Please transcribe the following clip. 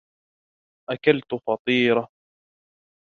اكلت فطيرة